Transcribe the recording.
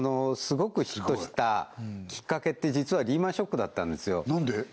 すごくヒットしたきっかけって実はリーマンショックだったんですよなんで？